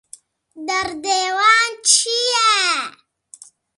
Derdê wan çi ye?